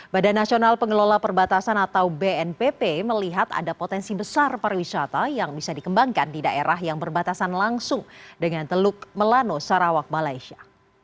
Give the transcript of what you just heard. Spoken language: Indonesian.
badan nasional pengelola perbatasan atau bnpp melihat ada potensi besar pariwisata yang bisa dikembangkan di daerah yang berbatasan langsung dengan teluk melano sarawak malaysia